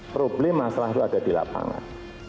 problem masalah itu ada di lapangan